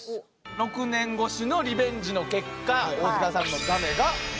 ６年越しのリベンジの結果大塚さんのだめがございました。